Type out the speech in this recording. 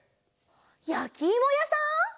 やきいもやさん！？